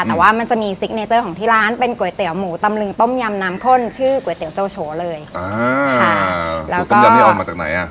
แต่ว่ามันจะมีซิกเนเจอร์ของที่ร้านเป็นก๋วยเตี๋ยวหมูตำลึงต้มยำน้ำข้นชื่อก๋วยเตี๋ยวเจ้าโฉเลยอ่าค่ะแล้วก็ยังไม่ออกมาจากไหนอ่ะ